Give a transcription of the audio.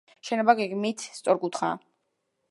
შენობა გეგმით სწორკუთხაა.